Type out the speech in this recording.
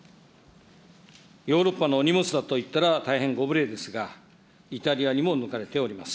ヨーロッパのお荷物だと言ったら大変ご無礼ですが、イタリアにも抜かれております。